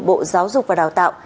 bộ giáo dục và đào tạo